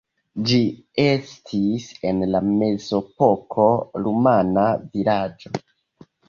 Ĝi estis en la mezepoko rumana vilaĝo.